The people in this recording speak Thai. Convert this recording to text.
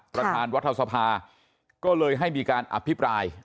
ประธานรัฐสภาก็เลยให้มีการอภิปราย